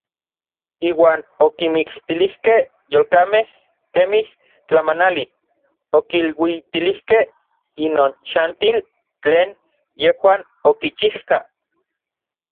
Iuan okimiktilijkej yolkamej kemij tlamanali, okiluitilijkej inon xantil tlen yejuan okichijkaj.